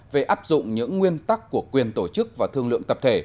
về áp dụng những nguyên tắc của quyền tổ chức và thương lượng tập thể